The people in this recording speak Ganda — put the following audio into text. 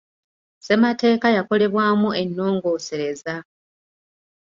Ssemateeka yakolebwamu ennongoosereza.